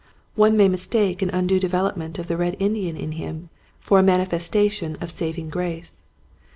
One may mistake an undue development of the red Indian in him for a manifesta tion of saving grace.